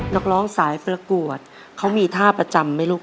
นักร้องสายประกวดเขามีท่าประจำไหมลูก